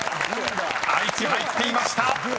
［「愛知」入っていました］